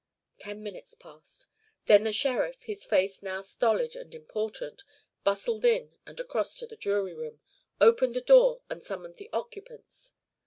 Ten minutes passed. Then the sheriff, his face now stolid and important, bustled in and across to the jury room, opened the door and summoned the occupants.